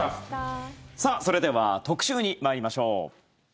さあ、それでは特集に参りましょう。